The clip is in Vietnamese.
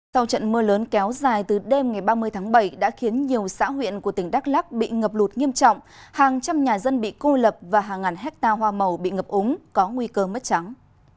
sau trận mưa lớn kéo dài từ đêm ngày ba mươi tháng bảy đã khiến nhiều xã huyện của tỉnh đắk lắc bị ngập lụt nghiêm trọng hàng trăm nhà dân bị cô lập và hàng ngàn hecta hoa màu bị ngập úng có nguy cơ mất trắng